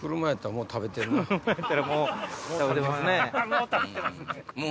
もう食べてますね。